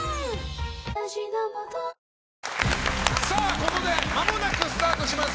ここでまもなくスタートします